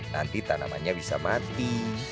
nanti tanamannya bisa mati